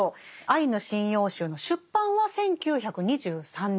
「アイヌ神謡集」の出版は１９２３年です。